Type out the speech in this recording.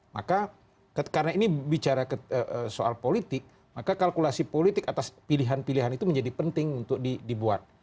maka karena ini bicara soal politik maka kalkulasi politik atas pilihan pilihan itu menjadi penting untuk dibuat